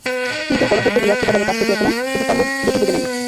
কিন্তু গণপূর্ত বিভাগ ঠিকাদারের কাছ থেকে এখনো স্মৃতিস্তম্ভ দুটি বুঝে নেয়নি।